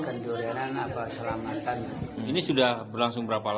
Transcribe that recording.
pada sangat lambat bakasi phx dua kepada prescribed monkey